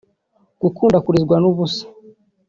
gukunda kurizwa n’ubusa